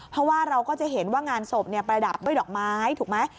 เพราะว่าเราก็จะเห็นว่างานศพประดับด้วยดอกไม้ถูกไหม